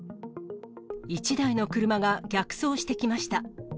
１台の車が逆走してきました。